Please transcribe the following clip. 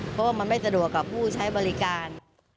เพราะว่ามันไม่สะดวกกับผู้ใช้บริการ